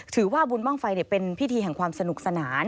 ถือว่าบุญบ้างไฟเป็นพิธีแห่งความสนุกสนาน